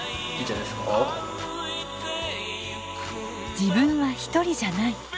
自分は一人じゃない。